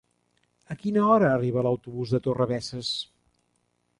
A quina hora arriba l'autobús de Torrebesses?